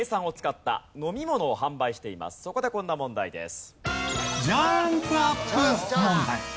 そこでこんな問題です。